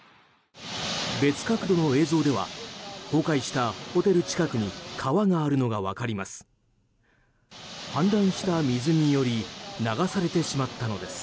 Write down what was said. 別角度の映像では倒壊したホテル近くに川があるのが分かります。